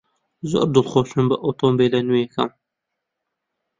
زۆر دڵخۆشم بە ئۆتۆمۆبیلە نوێیەکەم.